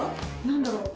何だろう？